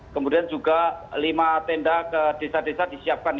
kemudian juga lima tenda ke desa desa disiapkan